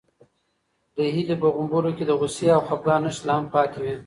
د هیلې په غومبورو کې د غوسې او خپګان نښې لا هم پاتې وې.